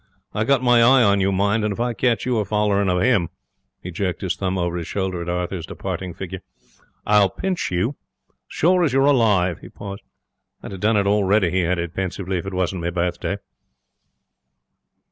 I've got my eye on you, mind, and if I catch you a follerin' of him' he jerked his thumb over his shoulder at Arthur's departing figure 'I'll pinch you. Sure as you're alive.' He paused. 'I'd have done it already,' he added, pensively, 'if it wasn't me birthday.'